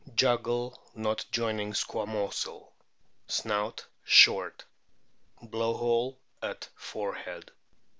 Jugal not joining squamosal. Snout short. Blow hole at forehead.